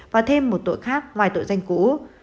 và thêm một tội khác ngoài tội danh cũ